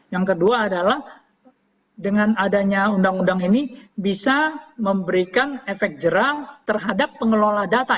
yang kedua adalah dengan adanya undang undang ini bisa memberikan efek jerah terhadap pengelola data